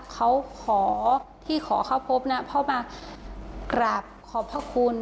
เขาขอที่ขอเข้าพบนะพ่อมากราบขอบพระคุณ